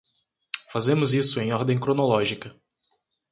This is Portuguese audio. Fazemos isso em ordem cronológica.